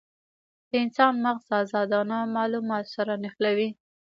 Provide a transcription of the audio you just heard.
د انسان مغز ازادانه مالومات سره نښلوي.